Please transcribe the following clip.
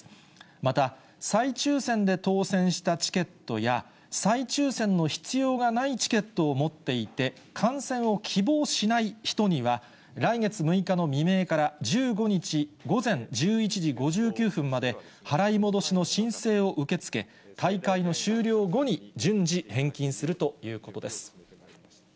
また再抽せんで当せんしたチケットや、再抽せんの必要がないチケットを持っていて、観戦を希望しない人には、来月６日の未明から１５日午前１１時５９分まで、払い戻しの申請を受け付け、大会の終了後に順次、返金するということです。